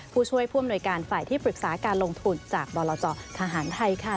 ผู้ช่วยผู้อำนวยการฝ่ายที่ปรึกษาการลงทุนจากบรจทหารไทยค่ะ